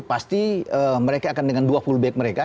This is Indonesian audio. pasti mereka akan dengan dua full back mereka